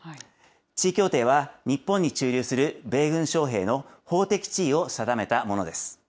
地位協定は日本に駐留する米軍将兵の法的地位を定めたものです。